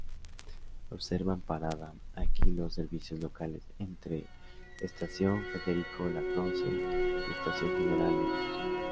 Observan parada aquí los servicios locales entre estación Federico Lacroze y estación General Lemos.